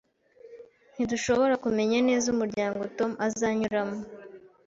Ntidushobora kumenya neza umuryango Tom azanyuramo